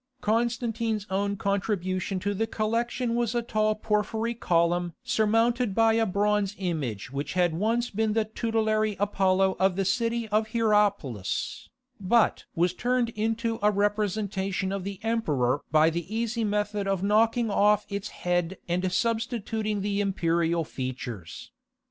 Constantine's own contribution to the collection was a tall porphyry column surmounted by a bronze image which had once been the tutelary Apollo of the city of Hierapolis, but was turned into a representation of the emperor by the easy method of knocking off its head and substituting the imperial features.